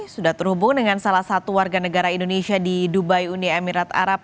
sudah terhubung dengan salah satu warga negara indonesia di dubai uni emirat arab